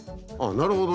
なるほどね。